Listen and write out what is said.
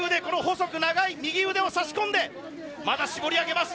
細く長い右腕を差し込んで、まだ絞り上げます。